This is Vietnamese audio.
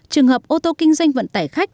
trường hợp ô tô kinh doanh vận tài khách